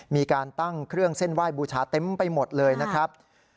มีการตั้งเครื่องเส้นไหว้บูชาเต็มไปหมดเลยนะครับ